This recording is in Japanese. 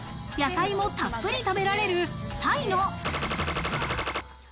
野菜もたっぷり食べられるタイの。